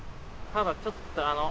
ただちょっとあの。